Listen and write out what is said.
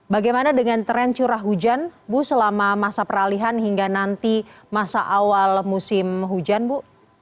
bagaimana dengan tren curah hujan bu selama masa peralihan hingga nanti masa awal musim hujan bu